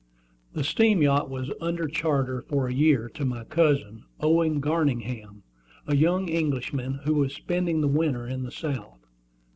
The steam yacht was under charter for a year to my cousin, Owen Garningham, a young Englishman, who was spending the winter in the South.